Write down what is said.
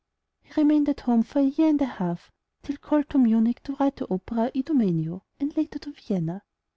He remained at home for a year and a half, till called to Munich to write the opera "Idomeneo," and later to Vienna.